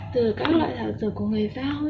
từ các loại thảo sửa của người giao ấy